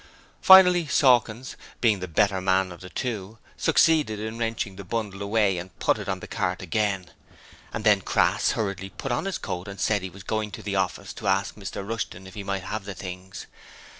Finally, Sawkins being the better man of the two succeeded in wrenching the bundle away and put it on the cart again, and then Crass hurriedly put on his coat and said he was going to the office to ask Mr Rushton if he might have the things.